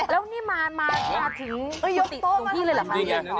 แล้วนี่มาถึงกุฏิหลวงพี่เลยเหรอ